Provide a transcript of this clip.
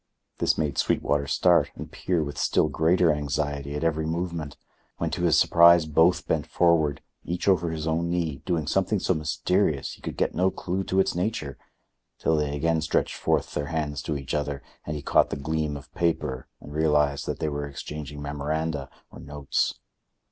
This made Sweetwater start and peer with still greater anxiety at every movement, when to his surprise both bent forward, each over his own knee, doing something so mysterious he could get no clue to its nature till they again stretched forth their hands to each other and he caught the gleam of paper and realized that they were exchanging memoranda or notes.